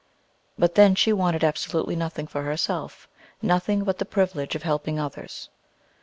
But then she wanted absolutely nothing for herself; nothing but the privilege of helping others.